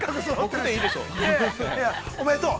◆おめでとう。